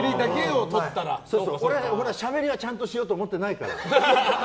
俺はしゃべりはちゃんとしようと思ってないから。